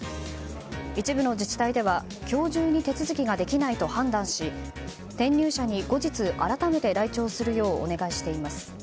一部の自治体では今日中に手続きができないと判断し転入者に後日、改めて来庁するようお願いしています。